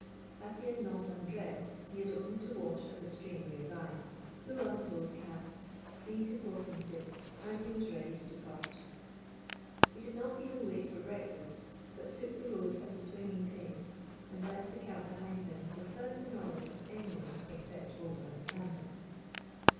As he had not undressed, he had only to wash at the stream GYPSY, THE TALKING DOG near by, pull on bis old cap, seize liis walking stick, and be was ready to depart. He did not even wait for breakfast, but took the road at a swinging pace, and left tbe camp behind him without tbe knowledge of any one except old Alexander.